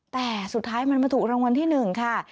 แต่สุดท้ายมันมาถูกรางวัลที่๑ค่ะ